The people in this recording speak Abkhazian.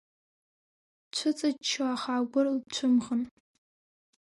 Дцәыҵаччон, аха агәыр лцәымӷын.